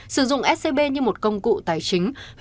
sử dụng scb như một công cụ tài liệu